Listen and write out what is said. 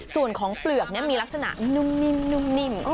ส่วนของเปลือกมีลักษณะนุ่มนิ่ม